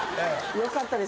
よかったです